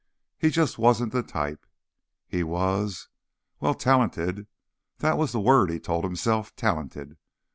He just wasn't the type. He was ... well, talented. That was the word, he told himself: talented.